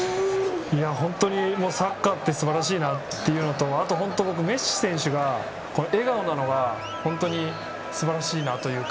本当にサッカーってすばらしいなっていうのとあとは、メッシ選手が笑顔なのが本当にすばらしいというか。